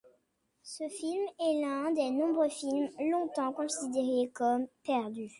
Ce film est l'un des nombreux films longtemps considérés comme perdus.